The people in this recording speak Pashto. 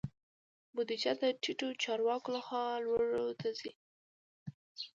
بودیجه د ټیټو چارواکو لخوا لوړو ته ځي.